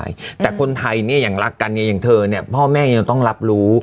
อย่างรักกันอย่างเธอเนี่ยพ่อแม่ยังต้องรับรู้